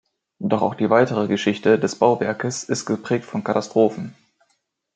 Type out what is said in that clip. Doch auch die weitere Geschichte des Bauwerkes ist geprägt von Katastrophen.